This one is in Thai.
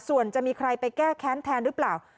ส่วนจะมีใครไปแก้แค้นแทนหรือเปล่า